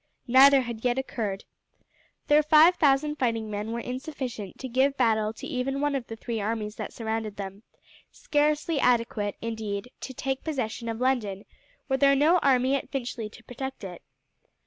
Neither had yet occurred. Their five thousand fighting men were insufficient to give battle to even one of the three armies that surrounded them scarcely adequate, indeed, to take possession of London were there no army at Finchley to protect it.